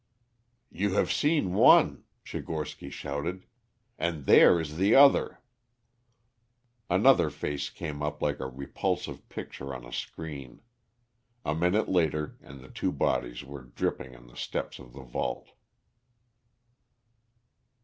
"You have seen one," Tchigorsky shouted, "and there is the other." Another face came up like a repulsive picture on a screen. A minute later and the two bodies were dripping on the steps of the vault.